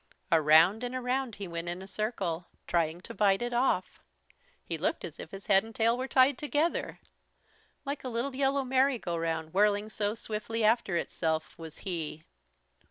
Around and around he went in a circle, trying to bite it off. He looked as if his head and tail were tied together. Like a little yellow merry go round, whirling so swiftly after itself, was he.